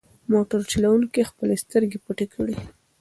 موټر چلونکي خپلې سترګې پټې کړې.